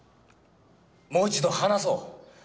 もう一度話そう。